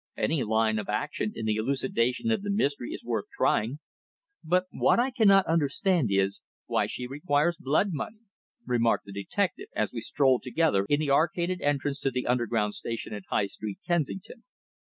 Any line of action in the elucidation of the mystery is worth trying. But what I cannot quite understand is, why she requires blood money," remarked the detective as we strolled together in the arcaded entrance to the Underground Station at High Street, Kensington.